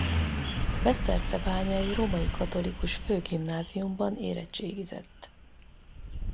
A besztercebányai római katolikus főgimnáziumban érettségizett.